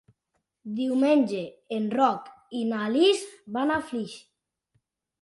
Diumenge en Roc i na Lis van a Flix.